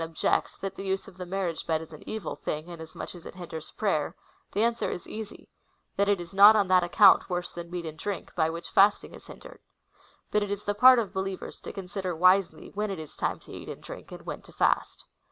229 objects, that the use of the marriage bed is an evil thing, inasmuch as it liinders prayer, the answer is easy — that it is not on that account worse than meat and drink, by which fasting is hindered. But it is the part of believers to con sider wisely when it is time to eat and drink, and when to fast.